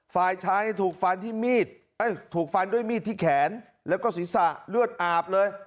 ฝ่ายชายถูกฟันที่มีดถูกฟันด้วยมีดที่แขนแล้วก็ศีรษะเลือดอาบเลย